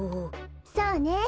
そうね。